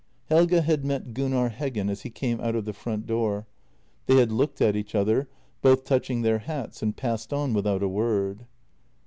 Helge had met Gunnar Heggen as he came out of the front door. They had looked at each other, both touching their hats, and passed on without a word.